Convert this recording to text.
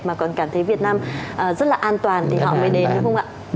mà còn cảm thấy việt nam rất là an toàn thì họ mới đến không ạ